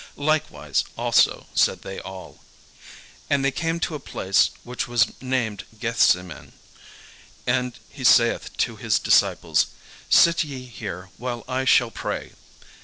Likewise also said they all. And they came to a place which was named Gethsemane: and he saith to his disciples, "Sit ye here, while I shall pray."